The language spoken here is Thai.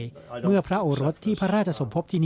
มาศึกษาที่เคเมริทวอสตัน